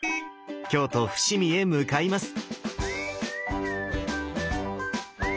京都・伏見へ向かいます！